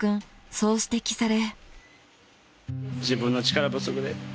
そう指摘され］